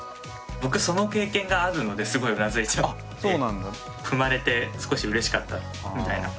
僕その経験があるのですごいうなずいちゃって。踏まれて少しうれしかったみたいな。